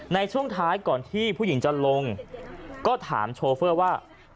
ในช่วงท้ายก่อนที่ผู้หญิงจะลงก็ถามโชเฟอร์ว่า